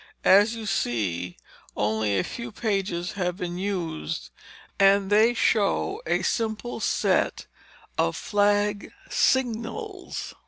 As you see, only a few pages have been used, and they show a simple set of flag signals.